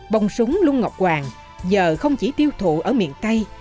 bông súng lung ngọc hoàng giờ không chỉ tiêu thụ ở miền tây